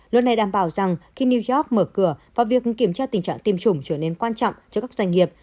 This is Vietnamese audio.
luật này đảm bảo rằng khi new york mở cửa và việc kiểm tra tình trạng tiêm chủng trở nên quan trọng cho các doanh nghiệp